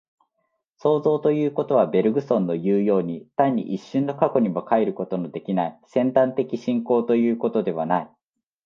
創造ということは、ベルグソンのいうように、単に一瞬の過去にも還ることのできない尖端的進行ということではない。